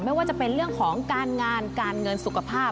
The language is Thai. ไม่ว่าจะเป็นเรื่องของการงานการเงินสุขภาพ